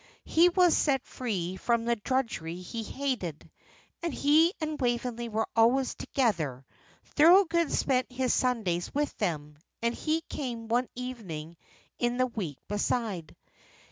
He was set free from the drudgery he hated, and he and Waveney were always together. Thorold spent his Sundays with them, and he came one evening in the week beside.